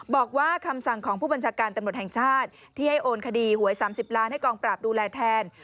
บอกว่าคำสั่งของผู้บัญชาการตำรวจแห่งชาติที่ให้โอนคดีหวย๓๐ล้านให้กองปราบดูแลแทน